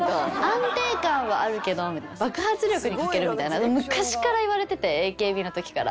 安定感はあるけどみたいな爆発力に欠けるみたいな昔から言われててＡＫＢの時から。